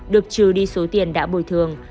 được trừ đi số tiền đã bồi thương